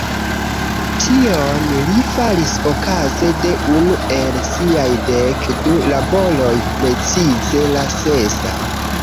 Tion li faris okaze de unu el siaj dek du laboroj, precize la sesa.